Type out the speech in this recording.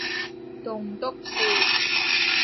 棟篤笑